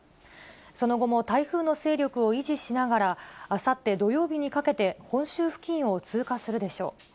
その後も台風の勢力を維持しながら、あさって土曜日にかけて本州付近を通過するでしょう。